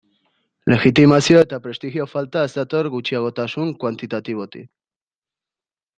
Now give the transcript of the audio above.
Legitimazio eta prestigio falta ez dator gutxiagotasun kuantitatibotik.